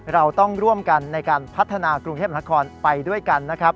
เราต้องร่วมกันในการพัฒนากรุงเทพนครไปด้วยกันนะครับ